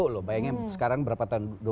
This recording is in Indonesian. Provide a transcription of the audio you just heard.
dua ribu satu loh bayangin sekarang berapa tahun